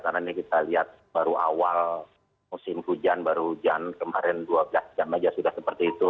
karena ini kita lihat baru awal musim hujan baru hujan kemarin dua belas jam saja sudah seperti itu